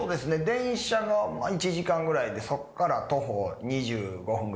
電車が１時間ぐらいでそこから徒歩２５分ぐらいですかね。